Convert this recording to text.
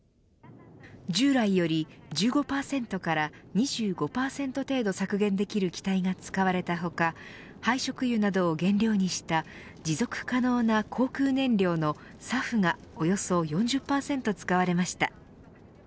従来より１５％から２５％程度削減できる機体が使われた他廃食油などを原料にした持続可能な航空燃料のＳＡＦがおよそ４０％使われました。